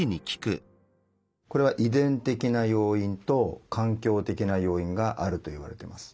これは「遺伝的な要因」と「環境的な要因」があるといわれてます。